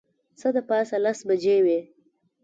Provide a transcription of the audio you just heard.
څه د پاسه لس بجې وې.